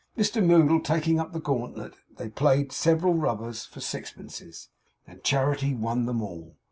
Mr Moddle taking up the gauntlet, they played several rubbers for sixpences, and Charity won them all.